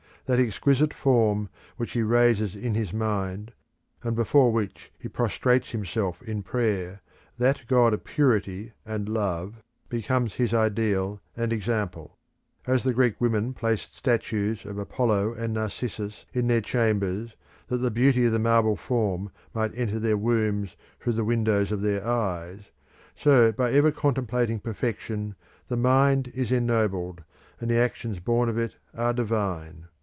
That exquisite form which he raises in his mind, and before which he prostrates him self in prayer, that God of purity and love, becomes his ideal and example. As the Greek women placed statues of Apollo and Narcissus in their chambers that the beauty of the marble form might enter their wombs through the windows of their eyes, so by ever contemplating perfection the mind is ennobled, and the actions born of it are divine.